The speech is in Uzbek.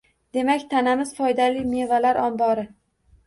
Demak, tanamiz foydali mevalar ombori.